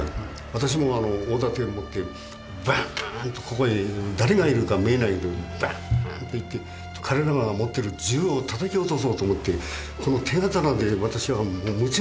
私も大盾持ってバーンとここに誰がいるか見えないんだけどバーンといって彼らが持ってる銃をたたき落とそうと思って手刀で私は夢中になってやったです。